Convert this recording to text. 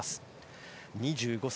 ２５歳。